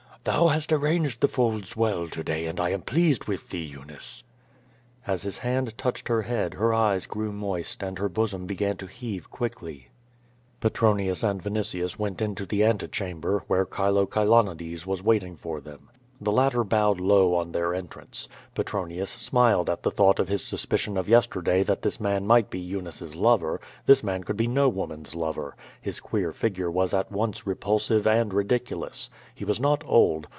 "Thou hast arranged the folds well to day and I am pleased with thee, Eunice/" As his hand touched her head her eyes grew moist and her bosom began to heave quickly. Petronius and Vinitius went into the ante chamber, where Chilo Chilonides was waiting for them. The latter bowed low on their entrance. Petronius smiled at thought of his suspicion of yesterday that this man might be Eunice's lover. This man could be no woman's lover. His queer figure was at once repulsive and ridiculous. He was not old.